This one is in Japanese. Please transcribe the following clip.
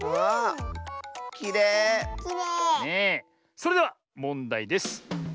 それではもんだいです。